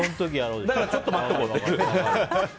だからちょっと待っておこうと。